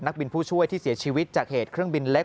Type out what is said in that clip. บินผู้ช่วยที่เสียชีวิตจากเหตุเครื่องบินเล็ก